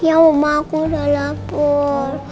ya mama aku udah lapar